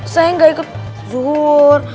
saya gak ikut zuhur